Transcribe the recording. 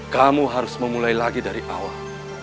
kamu harus memulai lagi dari awal